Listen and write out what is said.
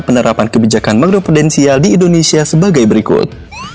penerapan kebijakan mikroprudensial di indonesia sebagai berikut